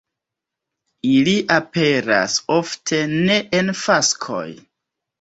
Ili aperas ofte ne en faskoj.